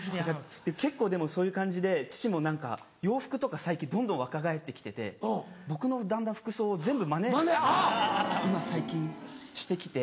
結構でもそういう感じで父も何か洋服とか最近どんどん若返って来てて僕のだんだん服装を全部マネ今最近して来て。